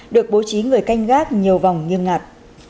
được bố trí người canh gác nhiều vòng nghiêm ngặt